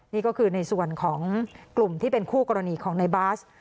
นี่ก็คือในส่วนของกลุ่มที่เป็นคู่กรณีของในบาส